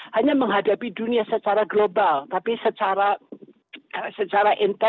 hanya menghadapi dunia secara global tapi secara intens